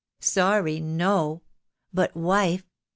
"Sorry — no! But wife.